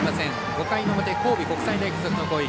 ５回の表、神戸国際大付属の攻撃。